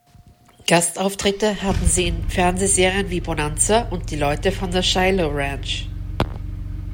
Gastauftritte hatte sie in Fernsehserien wie "Bonanza" und "Die Leute von der Shiloh Ranch".